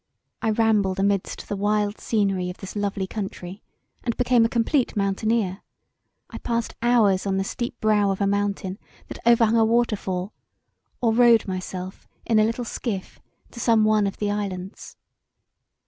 I rambled amidst the wild scenery of this lovely country and became a complete mountaineer: I passed hours on the steep brow of a mountain that overhung a waterfall or rowed myself in a little skiff to some one of the islands.